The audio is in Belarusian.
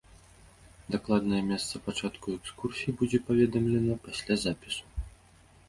Дакладнае месца пачатку экскурсій будзе паведамлена пасля запісу.